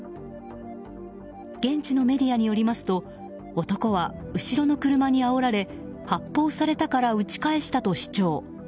現地のメディアによりますと男は後ろの車にあおられ発砲されたから撃ち返したと主張。